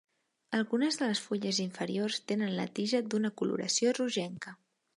Algunes de les fulles inferiors tenen la tija d'una coloració rogenca.